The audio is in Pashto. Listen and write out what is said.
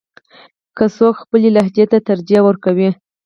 که څوک خپلې لهجې ته ترجیح ورکوي.